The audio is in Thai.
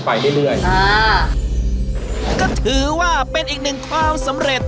ก็ถือว่าเป็นอีกหนึ่งความสำเร็จ